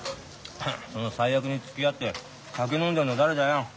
その最悪につきあって酒飲んでるのは誰だよ。